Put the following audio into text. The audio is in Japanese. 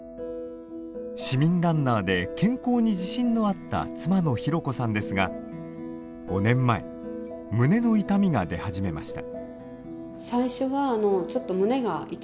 市民ランナーで健康に自信のあった妻のひろこさんですが５年前胸の痛みが出始めました。